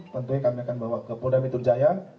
tentunya kami akan bawa ke pudamitun jaya